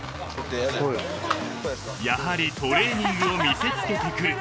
［やはりトレーニングを見せつけてくる］